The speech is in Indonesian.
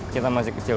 kita masih kecil